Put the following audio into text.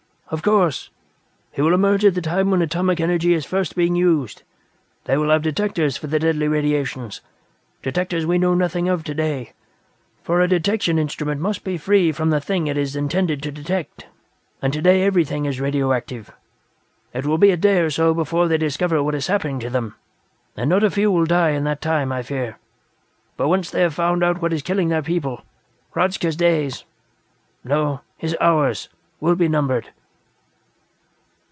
"Of course. He will emerge at the time when atomic energy is first being used. They will have detectors for the Deadly Radiations detectors we know nothing of, today, for a detection instrument must be free from the thing it is intended to detect, and today everything is radioactive. It will be a day or so before they discover what is happening to them, and not a few will die in that time, I fear; but once they have found out what is killing their people, Hradzka's days no, his hours will be numbered."